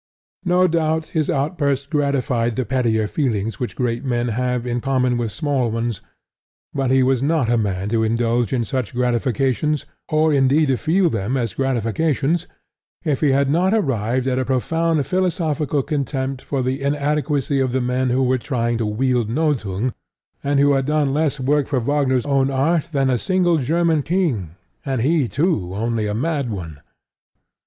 No doubt his outburst gratified the pettier feelings which great men have in common with small ones; but he was not a man to indulge in such gratifications, or indeed to feel them as gratifications, if he had not arrived at a profound philosophical contempt for the inadequacy of the men who were trying to wield Nothung, and who had done less work for Wagner's own art than a single German King and he, too, only a mad one.